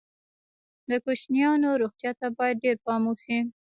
د کوچنیانو روغتیا ته باید ډېر پام وشي.